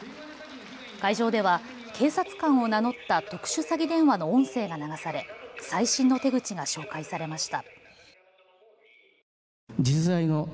会場では警察官を名乗った特殊詐欺電話の音声が流され最新の手口が紹介されました。